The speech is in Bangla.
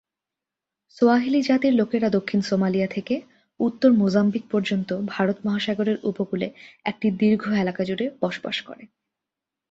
সোয়াহিলি জাতির লোকেরা দক্ষিণ সোমালিয়া থেকে উত্তর মোজাম্বিক পর্যন্ত ভারত মহাসাগরের উপকূলে একটি দীর্ঘ এলাকা জুড়ে বাস করে।